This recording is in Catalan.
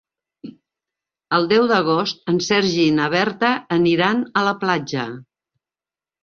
El deu d'agost en Sergi i na Berta aniran a la platja.